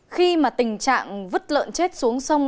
khi mà tình trạng vứt lợn chết xuống sông